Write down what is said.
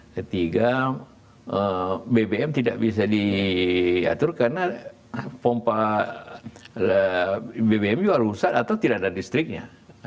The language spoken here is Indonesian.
ketiga bbm tidak bisa diatur karena pompa bbm juga rusak atau tidak ada listriknya